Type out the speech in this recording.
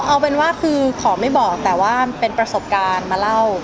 เอาเป็นว่าคือขอไม่บอกแต่ว่าเป็นประสบการณ์มาเล่า